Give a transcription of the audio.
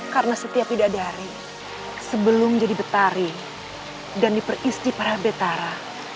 karena setiap bidadari sebelum jadi betari dan diperisti para betara